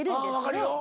分かるよ。